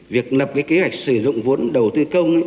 việc lập kế hoạch sử dụng vốn đầu tư công